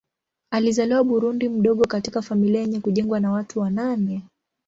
Alizaliwa Burundi mdogo katika familia yenye kujengwa na watu wa nane.